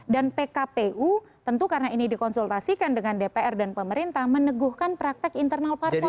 dan pkpu tentu karena ini dikonsultasikan dengan dpr dan pemerintah meneguhkan praktik internal parpol itu